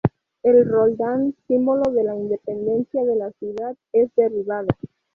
El Roldán, símbolo de la independencia de la ciudad, es derribado.